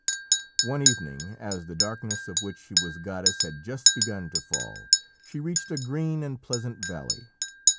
One evening, as the darkness of which she was goddess had just begun to fall, she reached a green and pleasant valley.